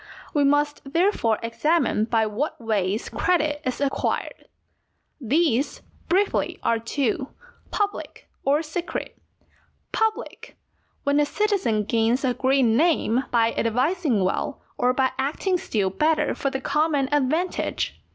We must therefore examine by what ways credit is acquired. These, briefly, are two, public or secret. Public, when a citizen gains a great name by advising well or by acting still better for the common advantage.